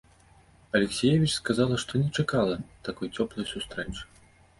Алексіевіч сказала, што не чакала такой цёплай сустрэчы.